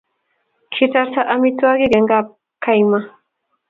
kitarta amitwogik eng' kapkaima